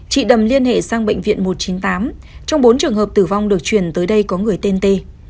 chị đầm liên hệ sang bệnh viện một trăm chín mươi tám trong bốn trường hợp tử vong được chuyển tới đây có người tên t